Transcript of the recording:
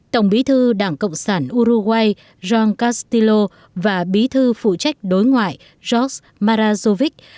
tổng bí thư đảng cộng sản uruguay jean castillo và bí thư phụ trách đối ngoại george marazovic